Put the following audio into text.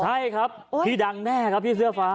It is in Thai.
ใช่ครับพี่ดังแน่ครับพี่เสื้อฟ้า